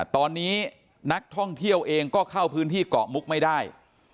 ตอนนี้นักท่องเที่ยวเองก็เข้าพื้นที่เกาะมุกไม่ได้